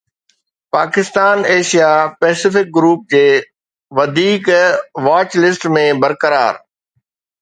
Pakistan Asia Pacific group جي وڌيڪ watch list ۾ برقرار